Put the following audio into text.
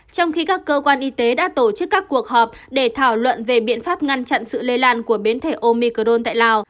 trong khi các cơ quan y tế đã tổ chức các cuộc họp để thảo luận về biện pháp ngăn chặn sự lây lan của biến thể omicron tại lào